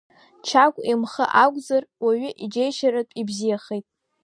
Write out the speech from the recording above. Чагә имхы акәзар, уаҩы иџьеишьаратәы ибзиахеит.